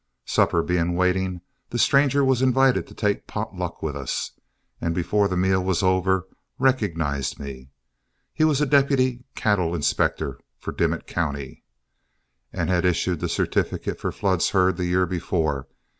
Supper being waiting, the stranger was invited to take pot luck with us, and before the meal was over recognized me. He was a deputy cattle inspector for Dimmit County, and had issued the certificate for Flood's herd the year before.